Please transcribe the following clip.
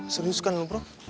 serius kan lu bro